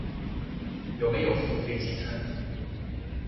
有沒有附飛機餐